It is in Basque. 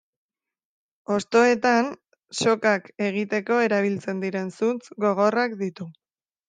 Hostoetan sokak egiteko erabiltzen diren zuntz gogorrak ditu.